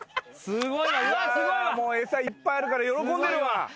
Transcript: もう餌いっぱいあるから喜んでるわ。